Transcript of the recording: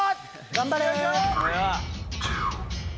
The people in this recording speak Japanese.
頑張れ。